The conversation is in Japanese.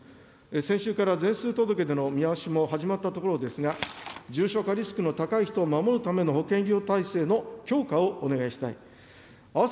先週から全数届出の見直しも始まったところですが、重症化リスクの高い人を守るための保健医療体制の強化をお願いしたい。